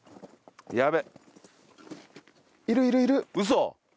嘘！